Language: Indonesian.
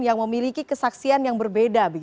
yang memiliki kesaksian yang berbeda